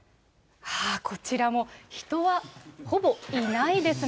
こちらも人はほぼいないですね。